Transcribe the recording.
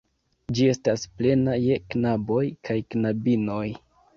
Ĝi estas plena je knaboj kaj knabinoj.